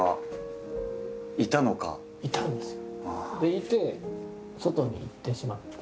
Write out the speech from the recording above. いて外に行ってしまった。